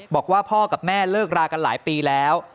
บอกว่าพ่อกับแม่เลิกรากันหลายปีแล้ว